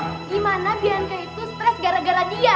gimana biar itu stres gara gara dia